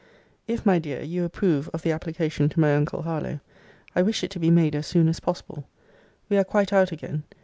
If, my dear, you approve of the application to my uncle Harlowe, I wish it to be made as soon as possible. We are quite out again.